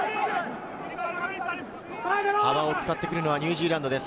幅を使ってくるのはニュージーランド。